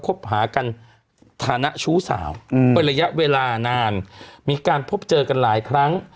คบหากันฐานะชู้สาวเป็นระยะเวลานานมีการพบเจอกันหลายครั้ง